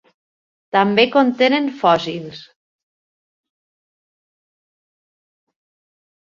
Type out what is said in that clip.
També contenen fòssils.